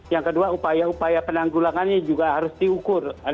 yang kedua upaya upaya penanggulangannya juga harus diukur